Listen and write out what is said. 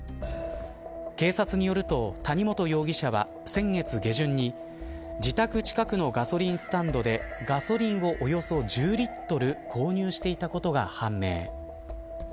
警察によると谷本容疑者は先月下旬に自宅近くのガソリンスタンドでガソリンをおよそ１０リットル購入していたことが判明。